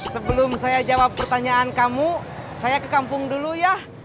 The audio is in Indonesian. sebelum saya jawab pertanyaan kamu saya ke kampung dulu ya